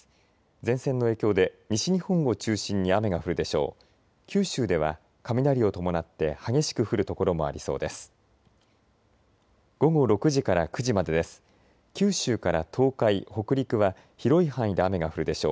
前線の影響で西日本を中心に雨が降るでしょう。